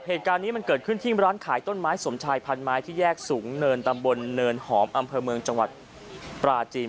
เหตุการณ์นี้มันเกิดขึ้นที่ร้านขายต้นไม้สมชายพันไม้ที่แยกสูงเนินตำบลเนินหอมอำเภอเมืองจังหวัดปราจีน